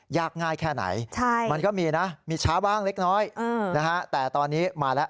ยากง่ายแค่ไหนมันก็มีนะมีช้าบ้างเล็กน้อยนะฮะแต่ตอนนี้มาแล้ว